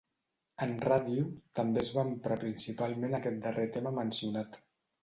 En ràdio, també es va emprar principalment aquest darrer tema mencionat.